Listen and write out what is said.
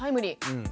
うん。